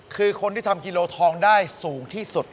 คือคนที่ทำกิโลทองได้สูงที่สุด